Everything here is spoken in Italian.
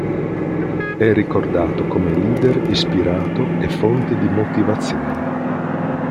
È ricordato come leader ispirato e fonte di motivazione.